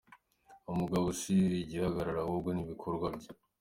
Umugabo si igihagararo, ahubwo ni ibikorwa bye.